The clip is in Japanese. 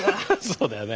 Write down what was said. そうだよね。